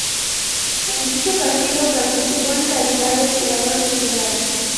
En dicho partido participó en calidad de jugador titular.